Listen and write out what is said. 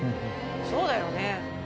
そうだよね。